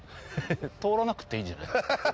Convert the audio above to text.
通らなくていいんじゃない？